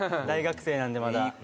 大学生なんでまだ。